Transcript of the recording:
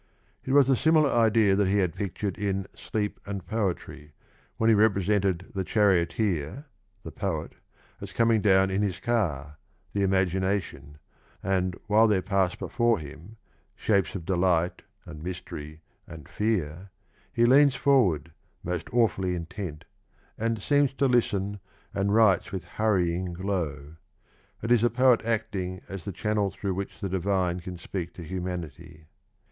It was a similar idea that he had pictured in Sleep and Poetry when he represented the charioteer (the poet) as coming down in his car (the imagination) and, while there pass before him " shapes 75 The incidents of the flight oa a pernonal reminiscence. of delight and mystery and fear," he leans forward " most awfullv intent," and seems to listen, and writes " with hurrying glow." It is the poet acting as the channel through which the divine can speak to humanity.